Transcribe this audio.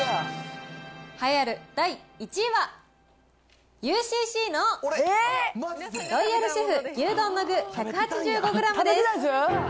栄えある第１位は、ＵＣＣのロイヤルシェフ牛丼の具１８５グラムです。